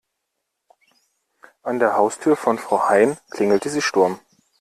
An der Haustür von Frau Hein klingelte sie Sturm.